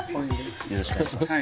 よろしくお願いします